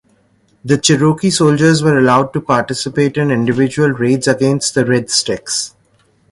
The Cherokee soldiers were allowed to participate in individual raids against the Red Sticks.